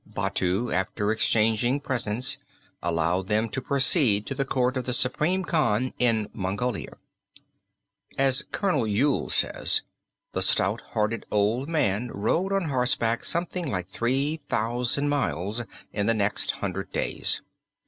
Batu after exchanging presents allowed them to proceed to the court of the supreme Khan in Mongolia. As Col. Yule says, the stout hearted old man rode on horseback something like three thousand miles in the next hundred days.